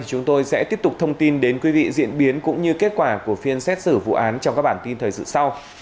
chúng tôi sẽ tiếp tục thông tin đến quý vị diễn biến cũng như kết quả của phiên xét xử vụ án trong các bản tin thời sự sau